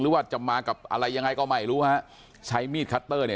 หรือว่าจะมากับอะไรยังไงก็ไม่รู้ฮะใช้มีดคัตเตอร์เนี่ย